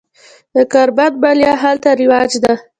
د کاربن مالیه هلته رواج ده.